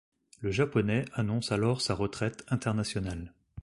Le Japonais annonce alors sa retraite internationale.